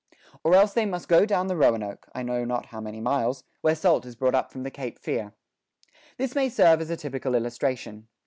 .. Or else they must go down the Roanoke I know not how many miles where salt is brought up from the Cape Fear."[17:3] This may serve as a typical illustration.